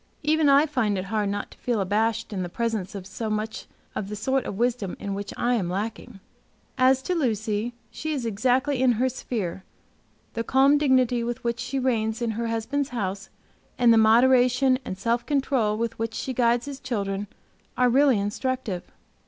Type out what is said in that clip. Even I find it hard not to feel abashed in the presence of so much of the sort of wisdom in which I am lacking. As to Lucy she is exactly in her sphere: the calm dignity with which she reigns in her husband's house, and the moderation and self control with which she guides his children, are really instructive.